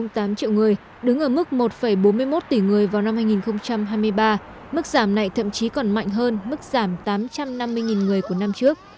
năm tám triệu người đứng ở mức một bốn mươi một tỷ người vào năm hai nghìn hai mươi ba mức giảm này thậm chí còn mạnh hơn mức giảm tám trăm năm mươi người của năm trước